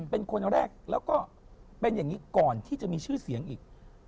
เป็นคนแรกแล้วก็เป็นอย่างนี้ก่อนที่จะมีชื่อเสียงอีก